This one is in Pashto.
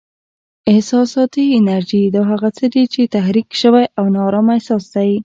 احساساتي انرژي: دا هغه وخت دی چې تحریک شوی او نا ارامه احساس دی.